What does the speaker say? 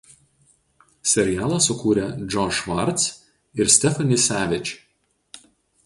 Serialą sukūrė Josh Schwartz ir Stephanie Savage.